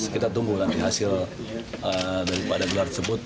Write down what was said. kita tunggu nanti hasil dari pada gelar tersebut